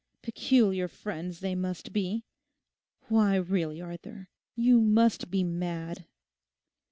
Peculiar friends they must be. Why, really, Arthur, you must be mad!